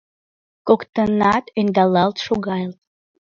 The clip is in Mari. Коктынат ӧндалалт шогалыт.